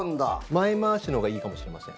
前回しのほうがいいかもしれません。